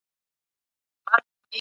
قصاص د بې عدالتیو د ختمولو قانون دی.